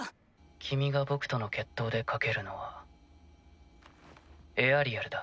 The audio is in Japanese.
君が僕との決闘で賭けるのはエアリアルだ。